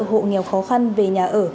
hộ nghèo khó khăn về nhà ở